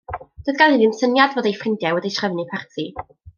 Doedd ganddi ddim syniad fod ei ffrindiau wedi trefnu parti.